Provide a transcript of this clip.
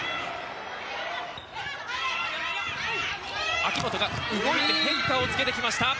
秋本が動いて変化をつけてきました。